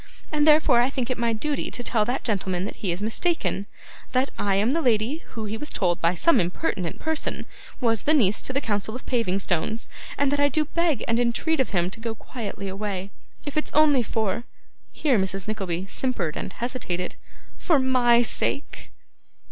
And therefore I think it my duty to tell that gentleman that he is mistaken, that I am the lady who he was told by some impertinent person was niece to the Council of Paving stones, and that I do beg and entreat of him to go quietly away, if it's only for,' here Mrs. Nickleby simpered and hesitated, 'for MY sake.